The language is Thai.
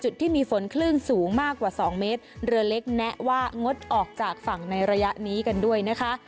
จุดที่มีฝนคลื่นสูงมากกว่าสองเมตรเรือเล็กแนะว่างดออกจากฝั่งในระยะนี้กันด้วยนะคะ